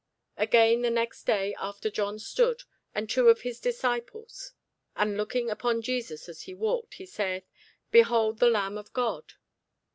Again the next day after John stood, and two of his disciples; and looking upon Jesus as he walked, he saith, Behold the Lamb of God!